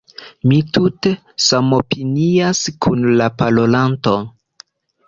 Mi tute samopinias kun la parolanto.